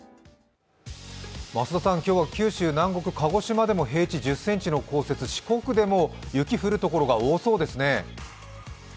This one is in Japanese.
今日は九州、南国・鹿児島でも平地１０ｃｍの積雪、四国でも雪降るところが多そうですね。